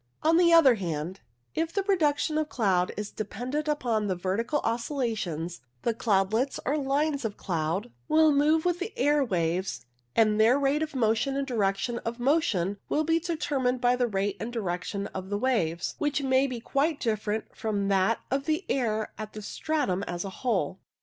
On the other hand, if the production of cloud is dependent upon the vertical oscillations, the cloud lets or lines of cloud will move with the air waves, and their rate of motion and direction of motion will be determined by the rate and direction of the waves, which may be quite different from that of the air at that stratum as a whole.